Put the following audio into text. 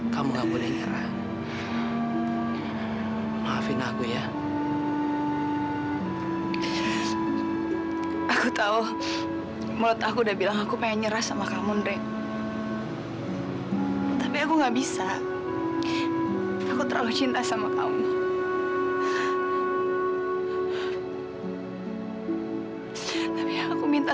sampai jumpa di video selanjutnya